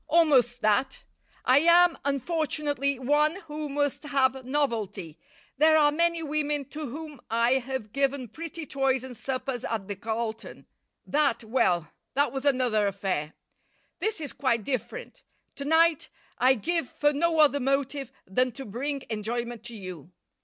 "Almost that. I am, unfortunately, one who must have novelty. There are many women to whom I have given pretty toys and suppers at the Carlton. That well, that was another affair. This is quite different. To night I give for no other motive than to bring enjoyment to you.